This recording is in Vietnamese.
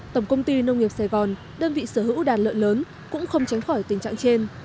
tổng công ty nông nghiệp sài gòn đơn vị sở hữu đàn lợn lớn cũng không tránh khỏi tình trạng trên